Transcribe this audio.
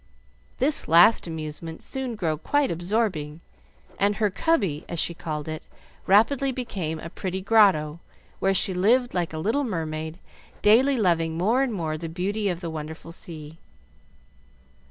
This last amusement soon grew quite absorbing, and her "cubby," as she called it, rapidly became a pretty grotto, where she lived like a little mermaid, daily loving more and more the beauty of the wonderful sea.